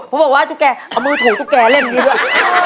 เพราะบอกว่าตุ๊กแกเอามือถูกตุ๊กแกเล่นดีด้วย